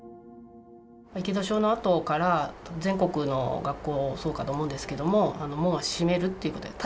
池田小のあとから、全国の学校、そうかと思うんですけど、門は閉めるっていうことになった。